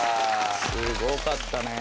すごかったね。